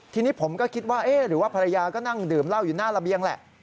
ทีนี้ผมก็คิดว่าเอ๊ะหรือว่าภรรยาก็นั่งดื่มเหล้าอยู่หน้าระเบียงแหละ